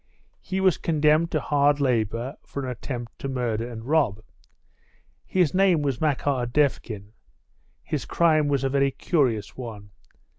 He was condemned to hard labour for an attempt to murder and rob. His name was Makar Devkin. His crime was a very curious one.